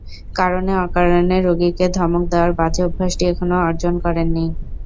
কারণে অকারণে রোগীকে ধমক দেয়ার বাজে অভ্যাসটি এখনো অর্জন করেন নি।